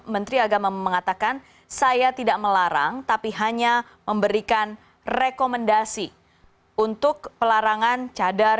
menteri agama mengatakan saya tidak melarang tapi hanya memberikan rekomendasi untuk pelarangan cadar